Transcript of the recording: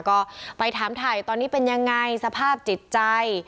ก็ไปถามถ่ายตอนนี้เป็นยังไงสภาพจิตใจ